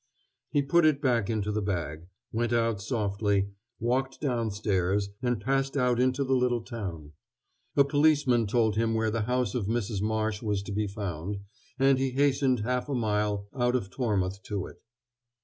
He put it back into the bag, went out softly, walked downstairs, and passed out into the little town. A policeman told him where the house of Mrs. Marsh was to be found, and he hastened half a mile out of Tormouth to it.